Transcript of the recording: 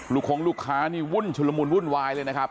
คงลูกค้านี่วุ่นชุลมุนวุ่นวายเลยนะครับ